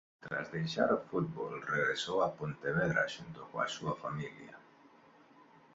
Tras deixar o fútbol regresou a Pontevedra xunto coa súa familia.